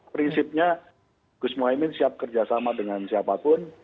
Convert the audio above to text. prinsipnya gus muhaymin siap kerja sama dengan siapapun